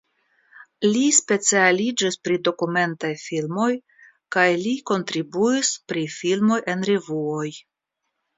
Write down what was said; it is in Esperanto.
Li specialiĝis pri dokumentaj filmoj kaj li kontribuis pri filmoj en revuoj.